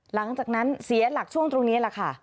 หลังจากนั้นเสียหลักช่วงตรงนี้แหละค่ะ